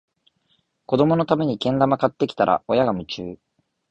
子どものためにけん玉買ってきたら、親が夢中